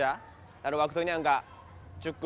tapi kalau orang tokyo harusnya mereka tinggal di jogja